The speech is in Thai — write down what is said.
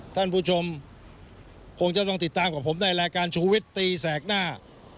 ท่านผู้ชมคงจะต้องติดตามกับผมในรายการชูวิตตีแสกหน้า